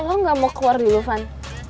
kamu gak mau keluar dulu van